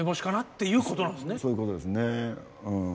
そういうことですねうん。